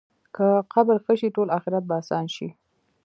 که قبر ښه شي، ټول آخرت به اسان شي.